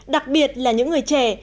đặc biệt là những người trẻ